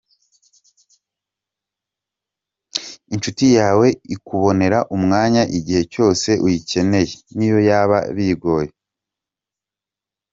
Inshuti yawe ikubonera umwanya, igihe cyose uyikeneye n’iyo byaba bigoye.